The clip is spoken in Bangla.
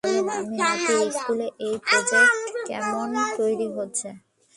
বলেন, আমার নাতির স্কুলের এই প্রজেক্ট, কেমন তৈরি হচ্ছে?